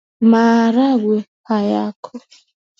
Maharagwe hayako